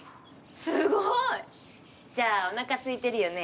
すごい！じゃあお腹すいてるよね？